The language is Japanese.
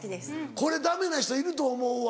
これダメな人いると思うわ。